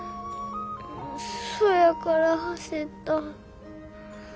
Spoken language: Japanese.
そやから走った。